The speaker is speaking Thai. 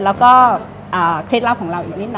แล้วก็เคล็ดลับของเราอีกนิดน